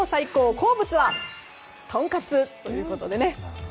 好物は、とんかつということで。